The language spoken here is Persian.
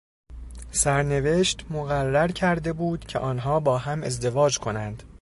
سرنوشت مقرر کرده بود که آنها با هم ازدواج کنند.